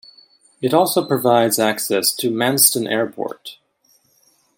It also provides access to Manston Airport.